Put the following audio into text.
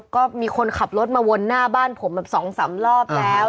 ก็มีคนขับรถมาวนหน้าบ้านผมแบบ๒๓รอบแล้ว